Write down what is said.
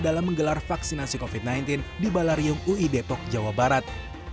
dalam menggelar vaksinasi covid sembilan belas di balariung ui depok jawa barat